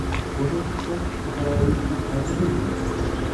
Buni eshitgach, kechalari uyqu qayda deysiz!